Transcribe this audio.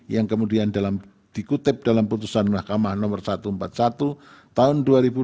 yang kemudian dikutip dalam putusan mahkamah nomor satu ratus empat puluh satu tahun dua ribu dua puluh